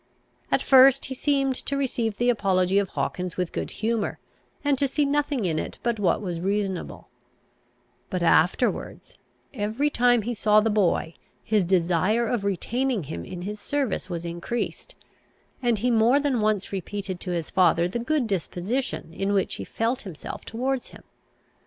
At first he seemed to receive the apology of Hawkins with good humour, and to see nothing in it but what was reasonable; but afterwards, every time he saw the boy, his desire of retaining him in his service was increased, and he more than once repeated to his father the good disposition in which he felt himself towards him.